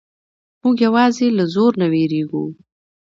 موږ یوازې له زور نه وېریږو.